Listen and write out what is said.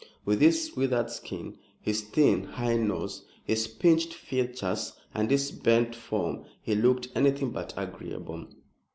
With his withered skin, his thin, high nose, his pinched features and his bent form he looked anything but agreeable.